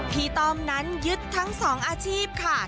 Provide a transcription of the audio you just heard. พี่ต้อมนั้นยึดทั้งสองอาชีพค่ะ